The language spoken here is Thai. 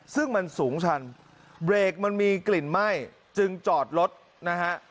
ซึ่งมันสูงชันเบรกมันมีกลิ่นไหม้จึงจอดรถนะฮะ